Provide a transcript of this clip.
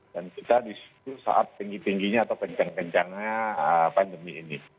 dan kita disitu saat tinggi tingginya atau pencang kencangnya pandemi ini